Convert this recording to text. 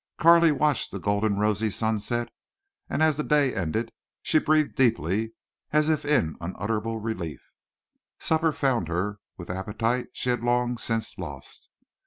Carley watched the golden rosy sunset, and as the day ended she breathed deeply as if in unutterable relief. Supper found her with appetite she had long since lost.